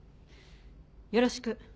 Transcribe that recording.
よろしく。